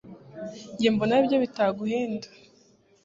jye mbona ari byo bitaguhenda